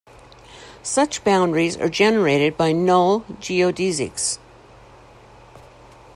Such boundaries are generated by null geodesics.